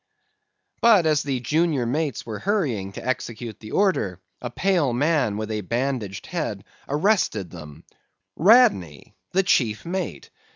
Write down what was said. "But as the junior mates were hurrying to execute the order, a pale man, with a bandaged head, arrested them—Radney the chief mate.